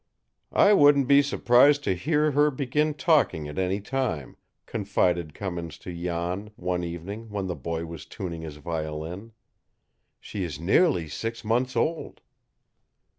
"I wouldn't be surprised to hear her begin talking at any time," confided Cummins to Jan, one evening when the boy was tuning his violin. "She is nearly six months old."